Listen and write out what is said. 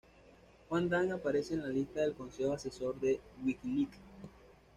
Wang Dan aparece en la lista del Consejo Asesor de WikiLeaks.